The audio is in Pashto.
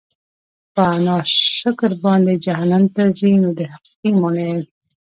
په ناشکر باندي جهنّم ته ځي؛ نو د حقيقي مُنعِم